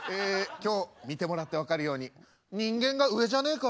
今日見てもらって分かるように人間が上じゃねえからな。